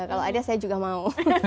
kalau ada saya juga mau